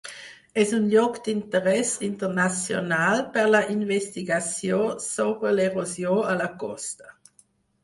És un lloc d'interès internacional per la investigació sobre l'erosió a la costa.